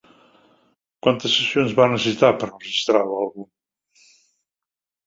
Quantes sessions van necessitar per enregistrar l'àlbum?